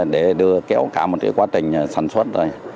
để đưa cả một quá trình sản xuất